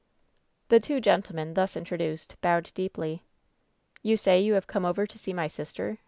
The two gentlemen, thus introduced, bowed deeply. "You say you have come over to see my sister